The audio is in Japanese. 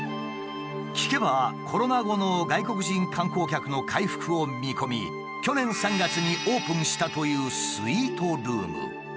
聞けばコロナ後の外国人観光客の回復を見込み去年３月にオープンしたというスイートルーム。